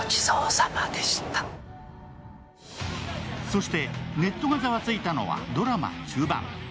そしてネットがざわついたのはドラマ中盤。